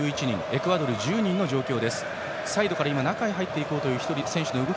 エクアドルは１０人の状況です。